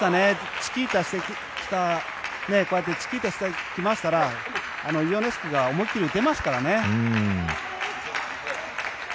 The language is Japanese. チキータしてきましたらイオネスクが思い切り打てますからね。